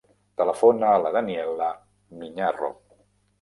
Telefona a la Daniella Miñarro.